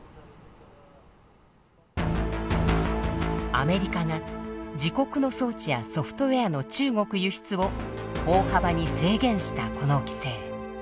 アメリカが自国の装置やソフトウエアの中国輸出を大幅に制限したこの規制。